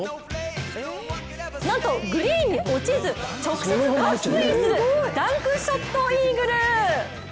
なんと、グリーンに落ちず直接カップインするダンクショットイーグル！